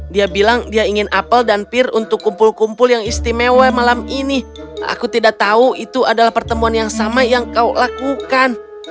dia bilang dia ingin apel dan peer untuk kumpul kumpul yang istimewa malam ini aku tidak tahu itu adalah pertemuan yang sama yang kau lakukan